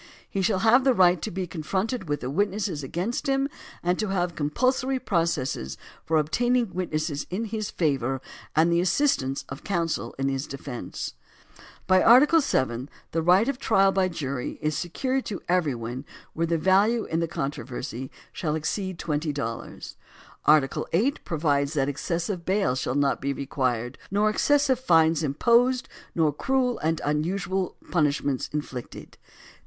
He shall have the right to be confronted with the witnesses against him and to have compulsory processes for obtaining witnesses in his favor and the assistance of counsel in his de fence. By Article VII the right of trial by jury is secured to every one where the value in the contro versy shall exceed twenty dollars. Article VIII pro vides that excessive bail shall not be required, nor excessive fines imposed, nor cruel and unusual punish ments inflicted.